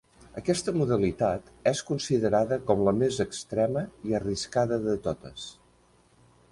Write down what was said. Aquesta modalitat és considerada com la més extrema i arriscada de totes.